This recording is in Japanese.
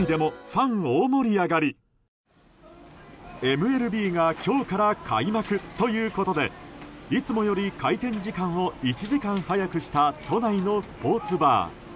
ＭＬＢが今日から開幕ということでいつもより開店時間を１時間早くした都内のスポーツバー。